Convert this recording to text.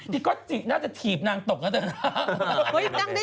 เดี๋ยวก็อดจิน่าจะถีบนางตกนะเถอะ